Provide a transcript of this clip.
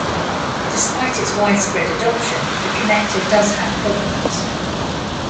Despite its widespread adoption, the connector does have problems.